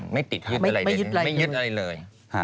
ไม่ติดอะไรไม่ยึดอะไรเลย